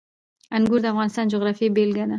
انګور د افغانستان د جغرافیې بېلګه ده.